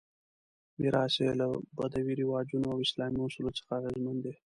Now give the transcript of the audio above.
میراث یې له بدوي رواجونو او اسلامي اصولو څخه اغېزمن دی.